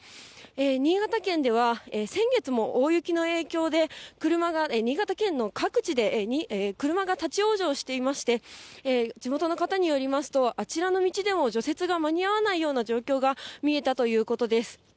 新潟県では先月も大雪の影響で車が、新潟県の各地で車が立往生していまして、地元の方によりますと、あちらの道でも除雪が間に合わないような状況が見えたということです。